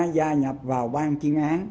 gia nhập vào bàn chuyên án